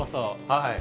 はい。